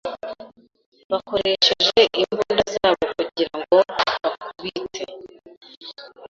Bakoresheje imbunda zabo kugira ngo bakubite.